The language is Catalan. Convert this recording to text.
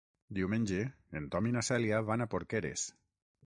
Diumenge en Tom i na Cèlia van a Porqueres.